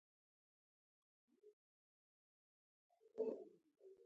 ترکانو ماته دوه لیکونه راکړل.